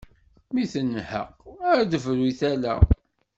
Mi tenheq a d-tebru i tala.